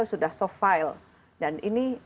sudah soft file dan ini